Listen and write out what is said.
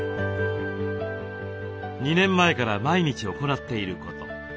２年前から毎日行っていること。